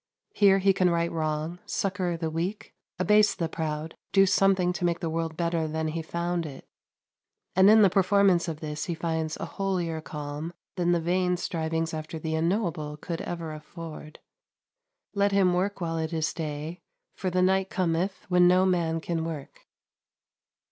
Here he can right wrong, succour the weak, abase the proud, do something to make the world better than he found it; and in the performance of this he finds a holier calm than the vain strivings after the unknowable could ever afford. Let him work while it is day, for "the night cometh, when no man can work."